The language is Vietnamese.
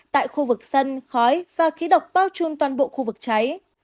tại khu vực sân khói và khí độc bao trùm toàn bộ khu vực cháy